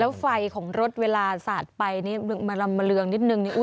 แล้วไฟของรถเวลาสาดไปนี่มาลำเรืองนิดนึง